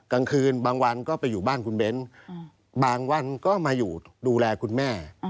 กลางคืนบางวันก็ไปอยู่บ้านคุณเบ้นบางวันก็มาอยู่ดูแลคุณแม่